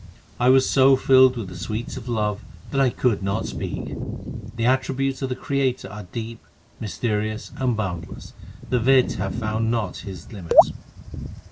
I was so filled with the sweets of love that I could not speak. The attributes of the Creator are deep, mysterious, and boundless ; the Veds have not found His limit.